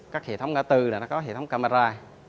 các hệ thống ngã tư có hệ thống camera